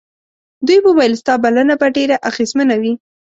دوی وویل ستا بلنه به ډېره اغېزمنه وي.